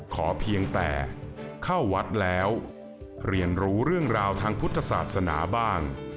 เพียงแต่เข้าวัดแล้วเรียนรู้เรื่องราวทางพุทธศาสนาบ้าง